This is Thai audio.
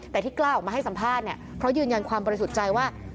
แต่ที่กล้าออกมาให้สัมภาษณ์เนี่ยเพราะยืนยันความบริสุทธิ์ใจว่า